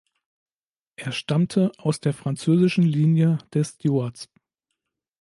Er stammte aus der französischen Linie der Stuarts.